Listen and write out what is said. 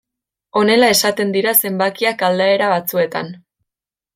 Honela esaten dira zenbakiak aldaera batzuetan.